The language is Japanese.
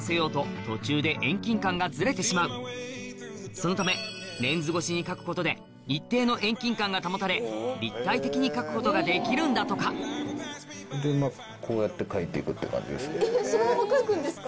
そのためレンズ越しに描くことで一定の遠近感が保たれ立体的に描くことができるんだとかんでまぁ。って感じですね。